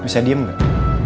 bisa diem gak